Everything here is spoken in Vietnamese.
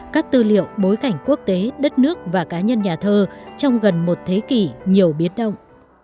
các tư liệu bối cảnh quốc tế đất nước và cá nhân nhà thơ trong gần một thế kỷ nhiều biến động